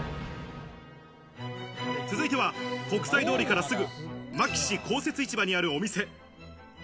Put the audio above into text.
続いては国際通りからすぐ、牧志公設市場にある店。